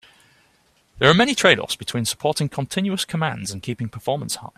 There are many trade-offs between supporting continuous commands and keeping performance high.